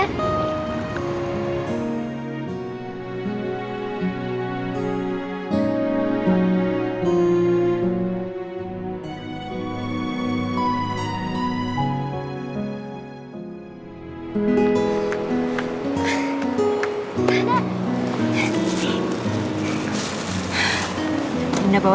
nenek pergi dulu ya